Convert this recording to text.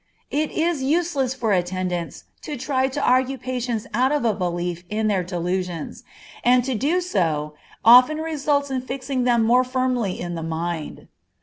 It is useless for attendants to try to argue patients out of a belief in their delusions, and to do so often results in fixing them more firmly in the mind.